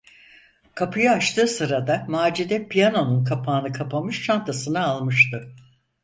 Kapıyı açtığı sırada Macide piyanonun kapağını kapamış, çantasını almıştı.